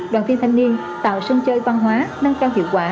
đoàn viên thanh niên tạo sân chơi văn hóa nâng cao hiệu quả